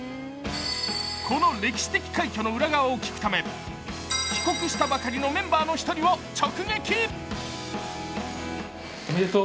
この歴史的快挙の裏側を聞くため、帰国したばかりのメンバーの１人を直撃。